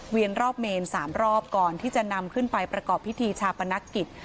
รอบเมน๓รอบก่อนที่จะนำขึ้นไปประกอบพิธีชาปนกิจ